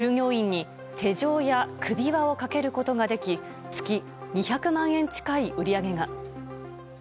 店では追加料金を払うと従業員に手錠や首輪をかけることができ月２００万円近い売り上げが。